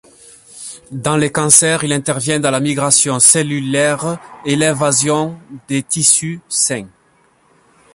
Dans les cancers, il intervient dans la migration cellulaire et l'invasion des tissus sains.